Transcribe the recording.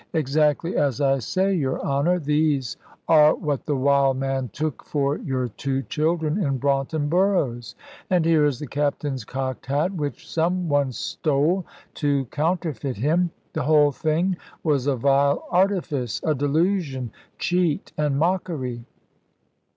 "Exactly as I say, your Honour. These are what the wild man took for your two children in Braunton Burrows; and here is the Captain's cocked hat, which some one stole, to counterfeit him. The whole thing was a vile artifice, a delusion, cheat, and mockery."